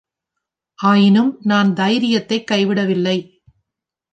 ஆயினும் நான் தைரியத்தைக் கைவிடவில்லை.